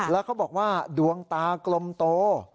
แล้วเขาบอกว่าดวงตากลมโต